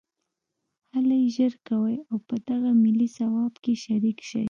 هلئ ژر کوئ او په دغه ملي ثواب کې شریک شئ